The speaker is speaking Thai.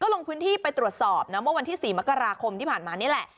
ลงพื้นที่ไปตรวจสอบนะเมื่อวันที่๔มกราคมที่ผ่านมานี่แหละ